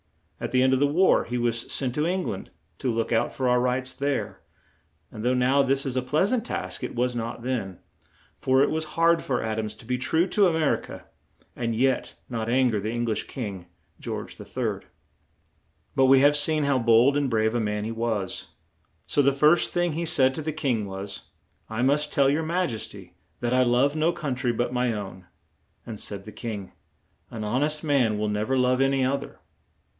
At the end of the war he was sent to Eng land to look out for our rights there; and, though now this is a pleas ant task, it was not then, for it was hard for Ad ams to be true to A mer i ca and yet not an ger the Eng lish king, George III. [Illustration: GEORGE III. From an anonymous print.] But we have seen how bold and brave a man he was, so the first thing he said to the king was: "I must tell your Maj es ty that I love no coun try but my own"; and said the king: "An hon est man will nev er love an y oth er."